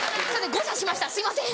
誤射しましたすいません。